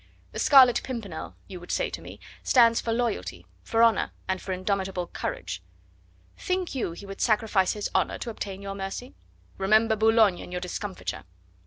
'The Scarlet Pimpernel,' you would say to me, 'stands for loyalty, for honour, and for indomitable courage. Think you he would sacrifice his honour to obtain your mercy? Remember Boulogne and your discomfiture!